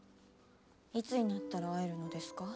いつになったら会えるのですか。